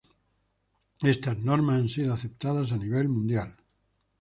Estas Normas han sido aceptadas a nivel mundial.